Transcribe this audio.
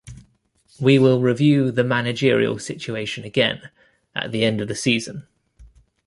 We will review the managerial situation again at the end of the season.